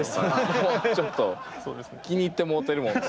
ちょっと気に入ってもうてるもん。